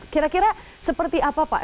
kira kira seperti apa pak